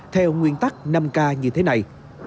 theo nguyên tắc năm k như thế này